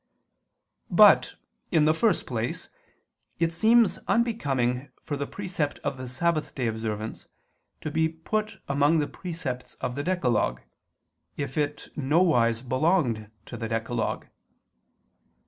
But, in the first place, it seems unbecoming for the precept of the Sabbath day observance to be put among the precepts of the decalogue, if it nowise belonged to the decalogue.